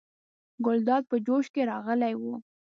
ګلداد په جوش کې راغلی و.